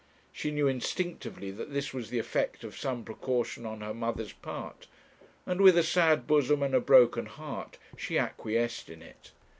She knew instinctively that this was the effect of some precaution on her mother's part, and with a sad bosom and a broken heart, she acquiesced in it.